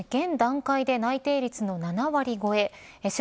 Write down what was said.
現段階で内定率の７割超え。